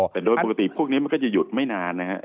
แต่โดยปกติพวกนี้มันก็จะหยุดไม่นานนะครับ